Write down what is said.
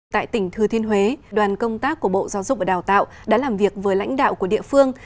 tại tỉnh thừa thiên huế đoàn công tác của bộ giáo dục và đào tạo đã làm việc với lãnh đạo của địa phương